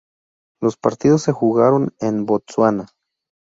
Los partidos se jugaron en Botsuana.